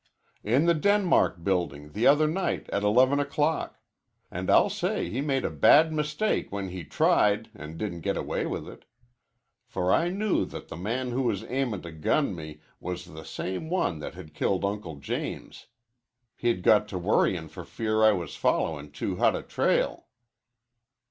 "In the Denmark Building, the other night, at eleven o'clock. And I'll say he made a bad mistake when he tried an' didn't get away with it. For I knew that the man who was aimin' to gun me was the same one that had killed Uncle James. He'd got to worryin' for fear I was followin' too hot a trail."